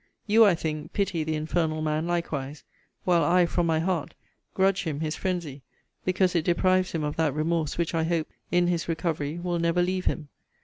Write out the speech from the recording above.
You, I think, pity the infernal man likewise; while I, from my heart, grudge him his phrensy, because it deprives him of that remorse, which, I hope, in his recovery, will never leave him.